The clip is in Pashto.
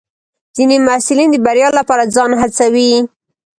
ځینې محصلین د بریا لپاره ځان هڅوي.